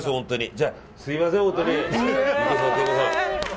じゃあ、すみません本当に。